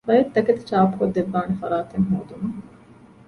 ބައެއް ތަކެތި ޗާޕުކޮށްދެއްވާނެ ފަރާތެއް ހޯދުމަށް